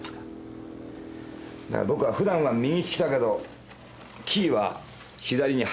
だから僕は普段は右利きだけどキーは左に入っている。